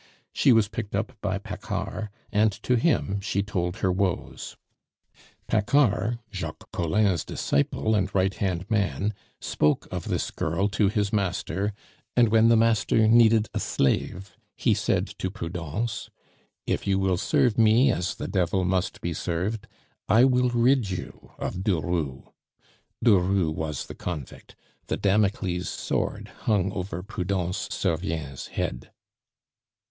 She was picked up by Paccard, and to him she told her woes. Paccard, Jacques Collin's disciple and right hand man, spoke of this girl to his master, and when the master needed a slave he said to Prudence: "If you will serve me as the devil must be served, I will rid you of Durut." Durut was the convict; the Damocles' sword hung over Prudence Servien's head.